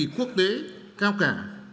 quốc tế cao cả